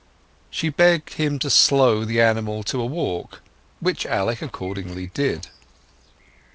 She begged him to slow the animal to a walk, which Alec accordingly did.